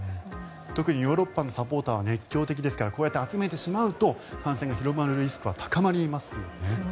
特にヨーロッパのサポーターは熱狂的ですからこうやって集めてしまうと感染が広まるリスクは高まりますよね。